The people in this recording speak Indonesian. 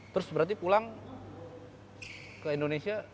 terus berarti pulang ke indonesia